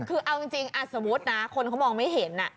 คือเอาจริงสมมุตินะคนเขามองไม่เห็น